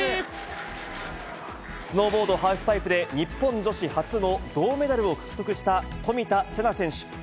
スノーボードハーフパイプで、日本女子初の銅メダルを獲得した冨田せな選手。